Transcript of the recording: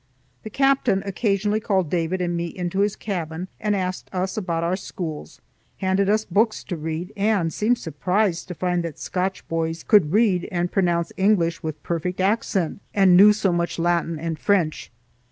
The captain occasionally called David and me into his cabin and asked us about our schools, handed us books to read, and seemed surprised to find that Scotch boys could read and pronounce English with perfect accent and knew so much Latin and French.